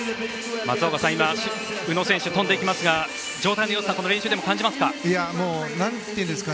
松岡さん、宇野選手が跳んでいきましたが状態の良さ練習でも感じますか？